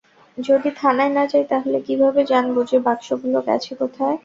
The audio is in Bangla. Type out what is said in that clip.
যদি থানায় না যাই, তাহলে কিভাবে জানবো, যে বাক্সগুলো গেছে কোথায়?